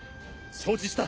承知した。